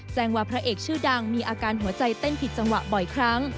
แจ้งว่าพระเอกชื่อดังมีอาการหัวใจเต้นผิดจังหวะบ่อยครั้ง